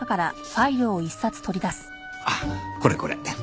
ああこれこれ。